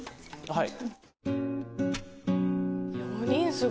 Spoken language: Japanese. はい。